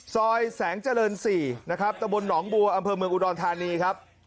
ซอยแสงเจริญ๔นะครับตะบนหนองบัวอำเภอเมืองอุดรธานีครับ